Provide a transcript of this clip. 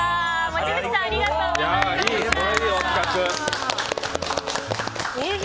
望月さんありがとうございました。